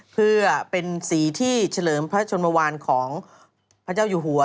เพื่อเป็นสีที่เฉลิมพระชนมวานของพระเจ้าอยู่หัว